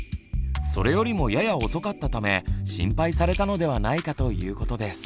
それよりもやや遅かったため心配されたのではないかということです。